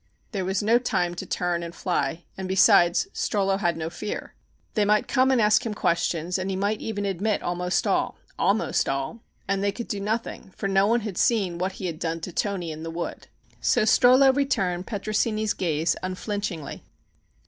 There was no time to turn and fly, and, besides, Strollo had no fear. They might come and ask him questions, and he might even admit almost all almost all, and they could do nothing, for no one had seen what he had done to Toni in the wood. So Strollo returned Petrosini's gaze unflinchingly.